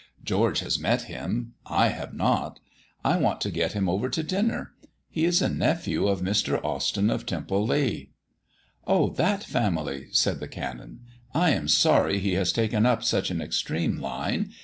George has met him; I have not. I want to get him over to dinner. He is a nephew of Mr. Austyn of Temple Leigh." "Oh, that family!" said the Canon. "I am sorry he has taken up such an extreme line.